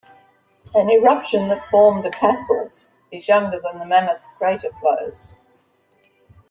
An eruption that formed The Castles is younger than the Mammoth Crater flows.